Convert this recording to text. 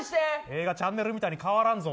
映画はチャンネルみたいに変わらんぞ。